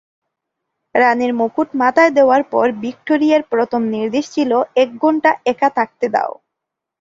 রাণীর মুকুট মাথায় দেওয়ার পর ভিক্টোরিয়ার প্রথম নির্দেশ ছিল এক ঘণ্টা একা থাকতে দাও।